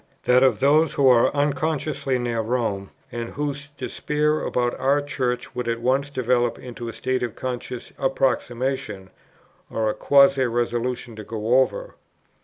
that of those who are unconsciously near Rome, and whose despair about our Church would at once develope into a state of conscious approximation, or a quasi resolution to go over; 2.